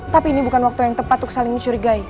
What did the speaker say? tapi ini bukan waktu yang tepat untuk saling mencurigai